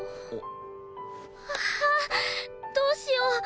はあどうしよう。